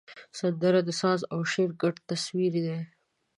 سندره د ساز او شعر ګډ تصویر دی